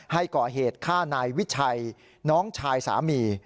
ให้ก่อเหตุฆ่านายวิชัยน้องชายสามี